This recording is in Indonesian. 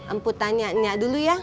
emput tanya nya dulu ya